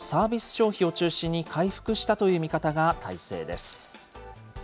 消費を中心に回復したという見方が大勢です。